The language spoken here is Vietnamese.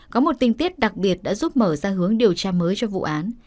có một tình tiết đặc biệt đã giúp mở ra hướng điều tra mới cho vụ án